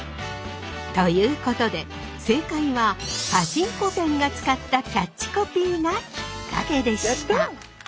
ということで正解はパチンコ店が使ったキャッチコピーがきっかけでした。